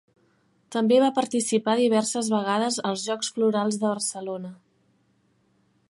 També va participar diverses vegades als Jocs Florals de Barcelona.